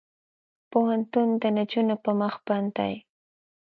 پوهنتون د نجونو پر مخ بند دی.